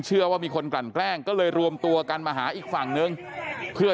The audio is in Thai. เชื่อว่ามีคนกลั่นแกล้งก็เลยรวมตัวกันมาหาอีกฝั่งนึงเพื่อ